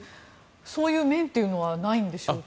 そういう面はないんでしょうか。